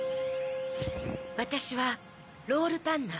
わたしはロールパンナ。